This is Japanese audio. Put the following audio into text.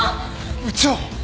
部長。